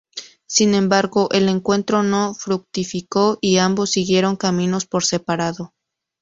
Sin embargo, el encuentro no fructificó y ambos siguieron caminos por separado.